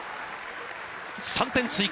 ３点追加。